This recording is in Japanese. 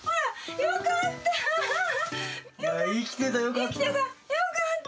よかった。